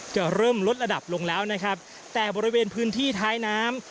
จะเริ่มลดระดับลงแล้วนะครับแต่บริเวณพื้นที่ท้ายน้ำ